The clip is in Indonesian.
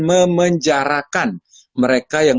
memenjarakan mereka yang